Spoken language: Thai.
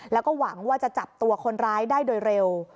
แล้วก็หวังว่าจะจับตัวคนร้ายได้โดยเร็ว